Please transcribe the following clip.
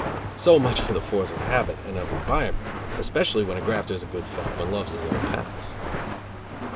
So much for the force of habit and of environment, especially when a grafter is a good fellow and loves his old pals.